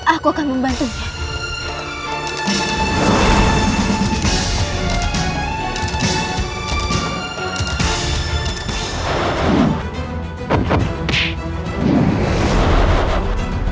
aku akan membantunya